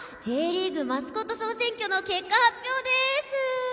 Ｊリーグマスコット総選挙の結果発表です。